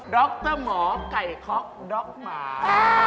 ดรหมอไก่ค็อกด๊อกหมา